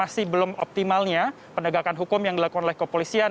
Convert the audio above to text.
masih belum optimalnya penegakan hukum yang dilakukan oleh kepolisian